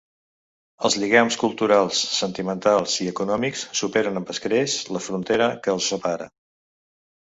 Els lligams culturals, sentimentals i econòmics superen amb escreix la frontera que els separa.